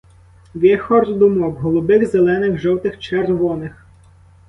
Вихор думок, голубих, зелених, жовтих, червоних.